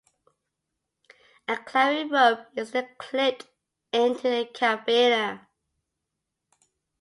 A climbing rope is then clipped into the carabiner.